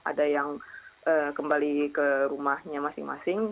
ada yang kembali ke rumahnya masing masing